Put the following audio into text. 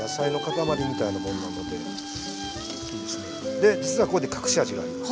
で実はここで隠し味があります。